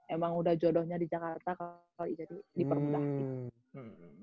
emang udah jodohnya di jakarta kalau jadi dipermudah